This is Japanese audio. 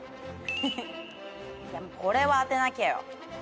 これは当てなきゃよ。